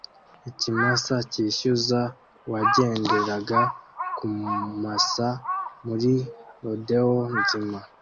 Ikimasa cyishyuza uwagenderaga kumasa muri rodeo nzima